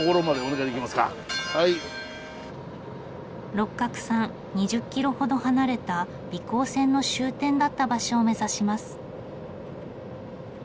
六角さん２０キロほど離れた美幸線の終点だった場所を目指します。